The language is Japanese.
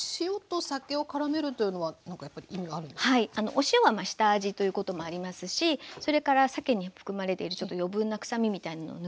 お塩はまあ下味ということもありますしそれからさけに含まれているちょっと余分な臭みみたいなのが抜けますね。